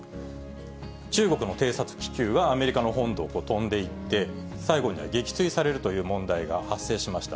中国の偵察気球がアメリカの本土を飛んでいって、最後には撃墜されるという問題が発生しました。